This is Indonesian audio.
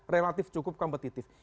relatif cukup kompetitif